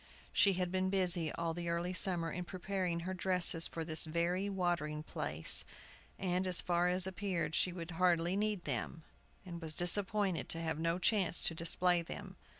She had been busy all the early summer in preparing her dresses for this very watering place, and, as far as appeared, she would hardly need them, and was disappointed to have no chance to display them.